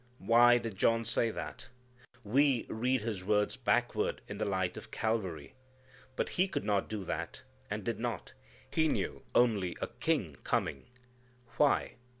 Why did John say that? We read his words backward in the light of Calvary. But he could not do that, and did not. He knew only a King coming. Why?